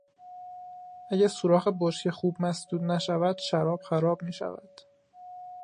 اگر سوراخ بشکه خوب مسدود نشود شراب خراب میشود.